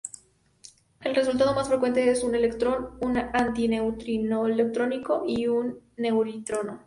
El resultado más frecuente es un electrón, un antineutrino-electrónico y un µ-neutrino.